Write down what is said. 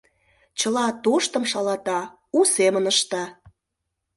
Чыла тоштым шалата, у семын ышта.